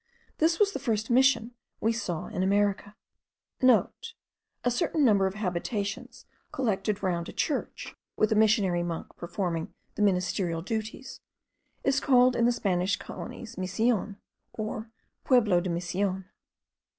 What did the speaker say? This was the first Mission* we saw in America. (* A certain number of habitations collected round a church, with a missionary monk performing the ministerial duties, is called in the Spanish colonies Mision, or Pueblo de mision.